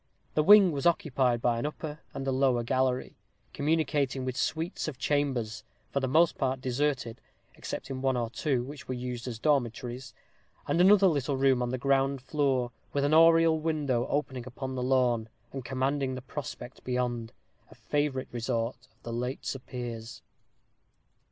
This wing was occupied by an upper and lower gallery, communicating with suites of chambers, for the most part deserted, excepting one or two, which were used as dormitories; and another little room on the ground floor, with an oriel window opening upon the lawn, and commanding the prospect beyond a favorite resort of the late Sir Piers.